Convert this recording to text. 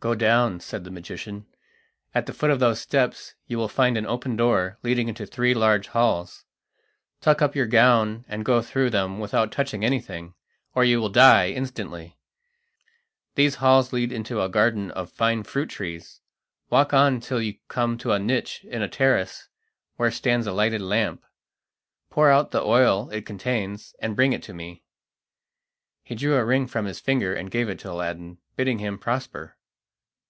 "Go down," said the magician; "at the foot of those steps you will find an open door leading into three large halls. Tuck up your gown and go through them without touching anything, or you will die instantly. These halls lead into a garden of fine fruit trees. Walk on till you come to a niche in a terrace where stands a lighted lamp. Pour out the oil it contains and bring it to me." He drew a ring from his finger and gave it to Aladdin, bidding him prosper.